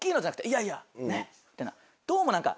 「いやいやねっ」みたいなどうも何か。